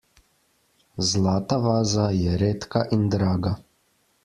Zlata vaza je redka in draga.